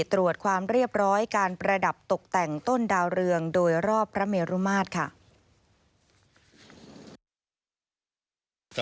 ตรวจความเรียบร้อยการประดับตกแต่งต้นดาวเรืองโดยรอบพระเมรุมาตรค่ะ